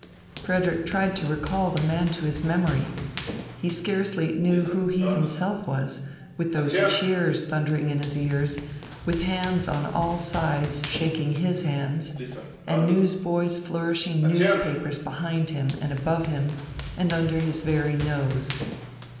Frederick tried to recall the man to his memory. He scarcely knew who he himself was, with those cheers thundering in his ears, with hands on all sides shaking his hands, and newsboys flourishing newspapers behind him and above him and under his very nose.